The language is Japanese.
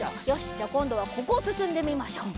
じゃあこんどはここをすすんでみましょう。